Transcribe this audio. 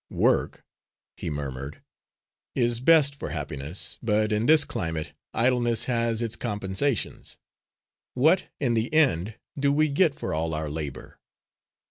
"Work," he murmured, "is best for happiness, but in this climate idleness has its compensations. What, in the end, do we get for all our labour?"